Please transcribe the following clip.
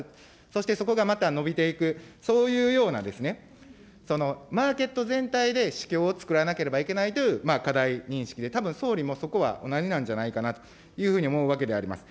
そしてそこがまた伸びていく、そういうようなですね、マーケット全体で市況を作らなければいけないという課題認識で、たぶん総理も同じなんじゃないかなというふうに思うわけであります。